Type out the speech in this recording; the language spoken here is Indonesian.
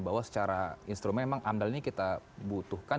bahwa secara instrumen memang amdal ini kita butuhkan